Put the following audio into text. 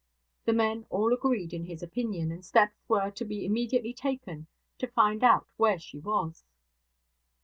The men all agreed in his opinion, and steps were to be immediately taken to find out where she was.